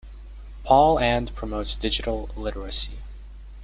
Paul and promotes digital literacy.